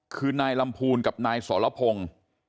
คือนายลำพูนกับนายสรพงศ์